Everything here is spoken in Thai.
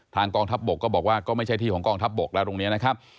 กองทัพบกก็บอกว่าก็ไม่ใช่ที่ของกองทัพบกแล้วตรงนี้นะครับ